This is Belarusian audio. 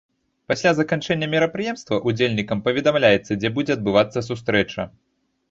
Пасля заканчэння мерапрыемства ўдзельнікам паведамляецца, дзе будзе адбывацца сустрэча.